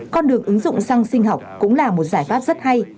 con đường ứng dụng xăng sinh học cũng là một giải pháp rất hay